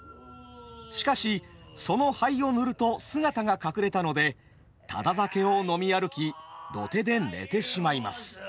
しかしその灰を塗ると姿が隠れたのでタダ酒を飲み歩き土手で寝てしまいます。